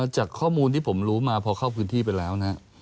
จากข้อมูลที่ผมรู้มาพอเข้าพื้นที่ไปแล้วนะครับ